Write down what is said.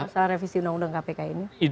masalah revisi undang undang kpk ini